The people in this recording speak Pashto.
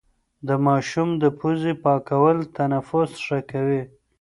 د ماشوم د پوزې پاکول تنفس ښه کوي.